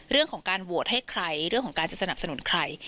เรื่องของการโหวตให้ใครเรื่องของการจะสนับสนุนใคร